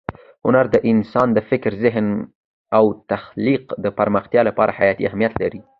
هنر د انسان د فکر، ذهن او تخلیق د پراختیا لپاره حیاتي اهمیت لري.